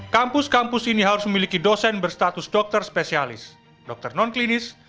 kampus kampus ini harus memiliki dosen berstatus dokter spesialis dokter non klinis